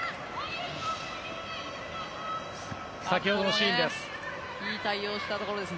先ほどのシーンです。